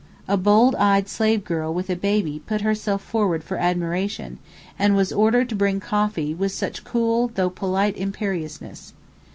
A bold eyed slave girl with a baby put herself forward for admiration, and was ordered to bring coffee with such cool though polite imperiousness.